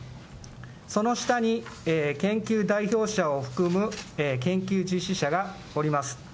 その下に、研究代表者を含む研究実施者がおります。